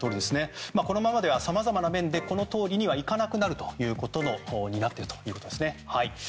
このままではさまざまな面で、このとおりにはいかなくなるということですね。